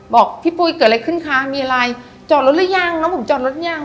บอกพี่ปุ๋ยเกิดอะไรขึ้นคะมีอะไรจอดรถหรือยังน้องผมจอดรถยัง